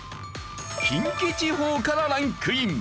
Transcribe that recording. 近畿地方からランクイン。